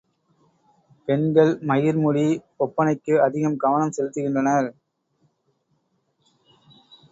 பெண்கள் மயிர் முடி ஒப்பனைக்கு அதிகம் கவனம் செலுத்துகின்றனர்.